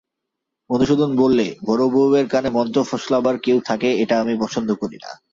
মধুসূদন বললে, বড়োবউয়ের কানে মন্ত্র ফোসলাবার কেউ থাকে এটা আমি পছন্দ করি নে।